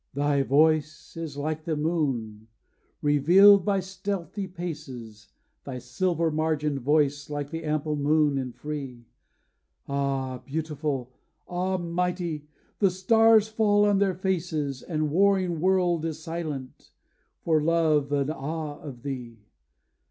'Thy voice is like the moon, revealed by stealthy paces, Thy silver margined voice like the ample moon and free: Ah, beautiful! ah, mighty! the stars fall on their faces, The warring world is silent, for love and awe of thee.